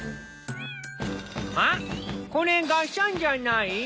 あっこれがっしゃんじゃない？